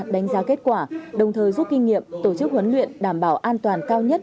đánh giá kết quả đồng thời giúp kinh nghiệm tổ chức huấn luyện đảm bảo an toàn cao nhất